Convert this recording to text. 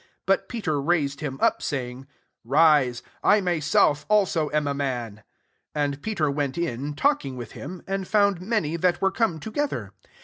26 But Peter raised him up, saying, " Rise : I my self also am a man." 27 And Peter went in, talking with him; and found many that were come together.